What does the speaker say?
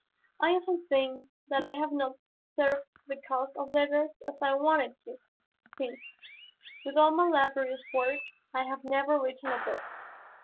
I often think that I have not served the cause of letters as I wanted to, since, with all my laborious work I have never written a book.